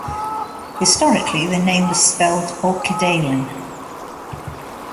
Historically, the name was spelled "Orkedalen".